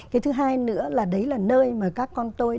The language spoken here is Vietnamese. cái thứ hai nữa là đấy là nơi mà các con tôi